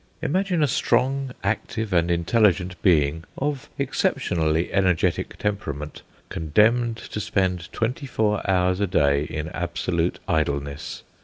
Imagine a strong, active, and intelligent being, of exceptionally energetic temperament, condemned to spend twenty four hours a day in absolute idleness!